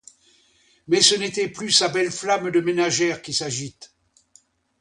Mais ce n'était plus sa belle flamme de ménagère qui s'agite.